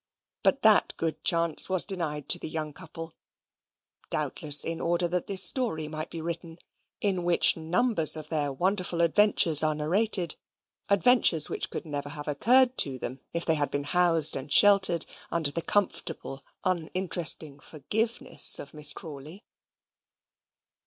But that good chance was denied to the young couple, doubtless in order that this story might be written, in which numbers of their wonderful adventures are narrated adventures which could never have occurred to them if they had been housed and sheltered under the comfortable uninteresting forgiveness of Miss Crawley.